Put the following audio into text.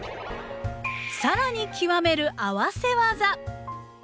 更に極める合わせ技！